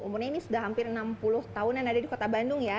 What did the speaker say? umurnya ini sudah hampir enam puluh tahun yang ada di kota bandung ya